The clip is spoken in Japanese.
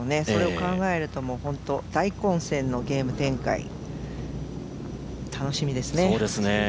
それを考えると大混戦のゲーム展開、楽しみですね。